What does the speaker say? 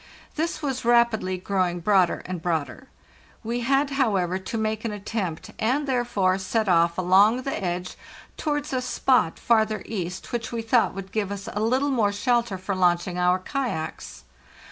This was rapidly growing broader and broader. We _ had, how ever, to make an attempt, and, therefore, set off along the edge towards a spot farther east, which we thought would give us a little more shelter for launching our kayaks.